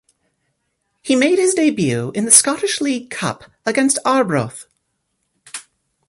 He made his debut in the Scottish League Cup against Arbroath.